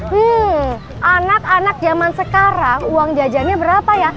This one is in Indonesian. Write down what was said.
hmm anak anak zaman sekarang uang jajannya berapa ya